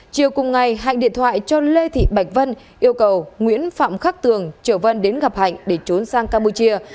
chiều cùng ngày hạnh điện thoại cho lê thị bạch vân yêu cầu nguyễn phạm khắc tường trở vân đến gặp hạnh để trốn sang campuchia